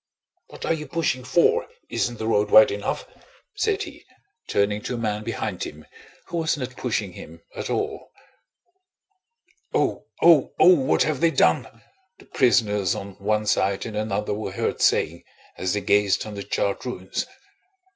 What are you pushing for? Isn't the road wide enough?" said he, turning to a man behind him who was not pushing him at all. "Oh, oh, oh! What have they done?" the prisoners on one side and another were heard saying as they gazed on the charred ruins.